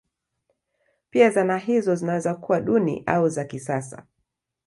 Pia zana hizo zinaweza kuwa duni au za kisasa.